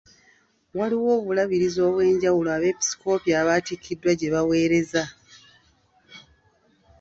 Waliwo obulabirizi obw'enjawulo abeepisikoopi abatikkiddwa gye baweereza.